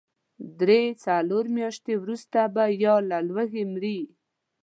درې، څلور مياشتې وروسته به يا له لوږې مري.